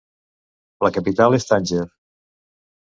La capital és Tànger.